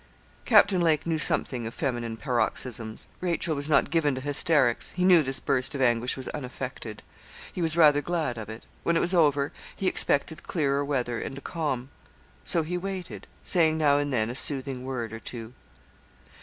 Captain Lake knew something of feminine paroxysms. Rachel was not given to hysterics. He knew this burst of anguish was unaffected. He was rather glad of it. When it was over he expected clearer weather and a calm. So he waited, saying now and then a soothing word or two.